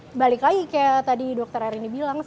ya tapi balik lagi kayak tadi dokter erin diberitakan kayak